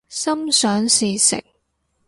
心想事成